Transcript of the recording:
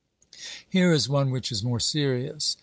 Here is one which is more serious.